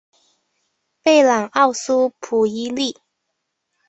贝朗奥苏普伊利。